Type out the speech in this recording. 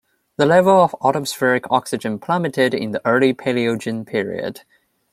The level of atmospheric O plummeted in the early Paleogene Period.